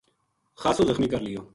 خاصو زخمی کر لیو